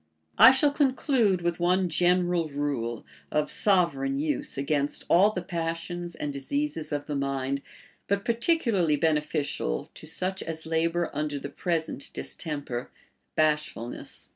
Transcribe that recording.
I shall conclude Λvith one general rule, of sovereign use against all the passions and diseases of the mind, but particularly beneficial to such as labor under the present distemper, bashfulness.